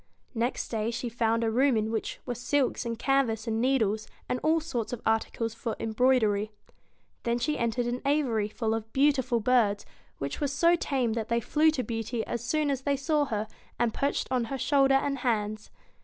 Next day she found a room in which were silks and canvas and needles, and all sorts of articles for embroidery. Then she entered an aviary full of beautiful birds, which were so tame that they flew to Beauty as soon as they saw her, and perched on her shoulder and hands.